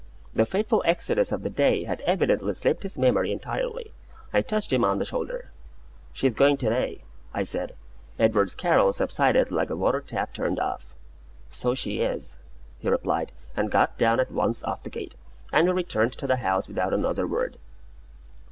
The fateful exodus of the day had evidently slipped his memory entirely. I touched him on the shoulder. "She's going to day!" I said. Edward's carol subsided like a water tap turned off. "So she is!" he replied, and got down at once off the gate: and we returned to the house without another word.